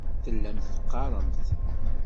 Tellamt teqqaremt.